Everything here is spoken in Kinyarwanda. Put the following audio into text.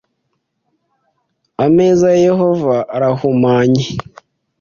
ameza ya Yehova arahumanye